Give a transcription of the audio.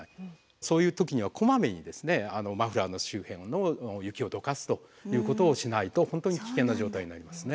そういう時にはこまめにマフラーの周辺の雪をどかすということをしないと本当に危険な状態になりますね。